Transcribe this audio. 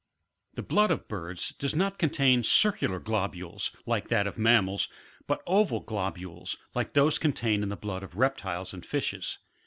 38. The blood of birds does not contain circular globules like that of mammals, but oval globules like those contained in the Dlood of reptiles and fishes.